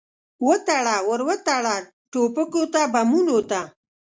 وتړه، ور وتړه ټوپکو ته، بمونو ته